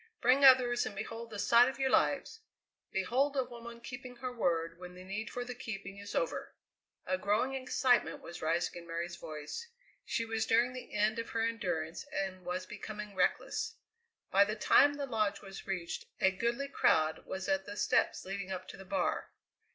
"Bring others and behold the sight of your lives. Behold a woman keeping her word when the need for the keeping is over!" A growing excitement was rising in Mary's voice; she was nearing the end of her endurance and was becoming reckless. By the time the Lodge was reached a goodly crowd was at the steps leading up to the bar.